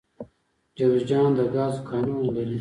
جوزجان د ګازو کانونه لري